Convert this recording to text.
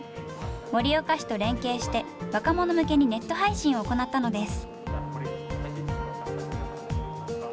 盛岡市と連携して若者向けにネット配信を行ったのです。